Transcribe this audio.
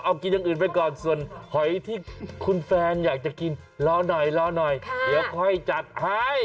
เอากินอย่างอื่นไปก่อนส่วนหอยที่คุณแฟนอยากจะกินรอหน่อยรอหน่อยเดี๋ยวค่อยจัดให้